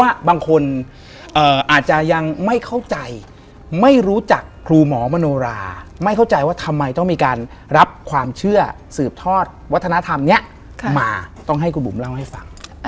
บางคนอาจจะยังไม่เข้าใจไม่รู้จักครูหมอมโนราไม่เข้าใจว่าทำไมต้องมีการรับความเชื่อสืบทอดวัฒนธรรมนี้มาต้องให้คุณบุ๋มเล่าให้ฟัง